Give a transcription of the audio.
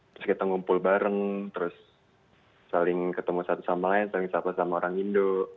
terus kita ngumpul bareng terus saling ketemu satu sama lain saling sapa sama orang indo